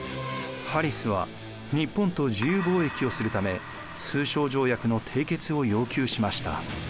ハリスは日本と自由貿易をするため通商条約の締結を要求しました。